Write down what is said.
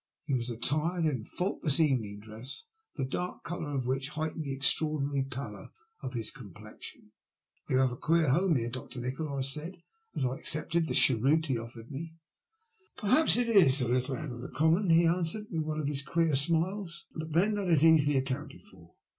He was attired in faultless evening dress, the dark colour of which heightened the extraordinary pallor of his complexion. Ton have a queer home here, Dr. Nikola I " I said, as I accepted the cheroot he offered me. Perhaps it is a little out of the common," he answered, with one of his queer smiles ;but then that is easily accounted for.